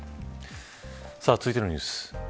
さあ続いてのニュース。